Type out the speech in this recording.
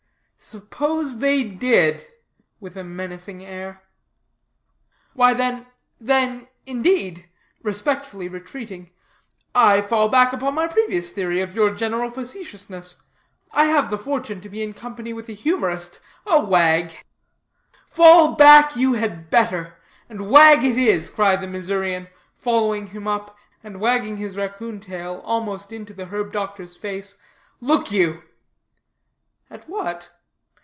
"Suppose they did?" with a menacing air. "Why, then then, indeed," respectfully retreating, "I fall back upon my previous theory of your general facetiousness. I have the fortune to be in company with a humorist a wag." "Fall back you had better, and wag it is," cried the Missourian, following him up, and wagging his raccoon tail almost into the herb doctor's face, "look you!" "At what?"